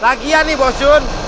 lagian nih bos jun